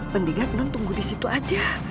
mendingan non tunggu di situ aja